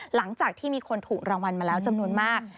หลังจากที่มีคนถูกรางวัลมาแล้วจำนวนมาก